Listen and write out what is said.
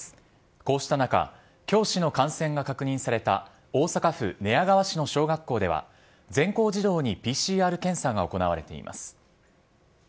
こうした中教師の感染が確認された大阪府寝屋川市の小学校では全校児童にＰＣＲ検査が行われています。